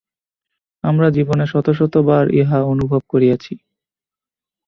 আমরা জীবনে শত শত বার ইহা অনুভব করিয়াছি।